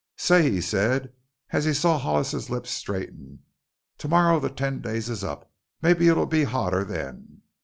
Say," he said as he saw Hollis's lips straighten, "to morrow the ten days is up. Mebbe it'll be hotter then.